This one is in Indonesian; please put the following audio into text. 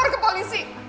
keluar ke polisi